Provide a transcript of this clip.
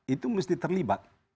itu mesti terlibat